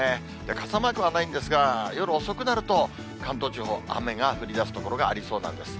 傘マークはないんですが、夜遅くなると関東地方、雨が降りだす所がありそうなんです。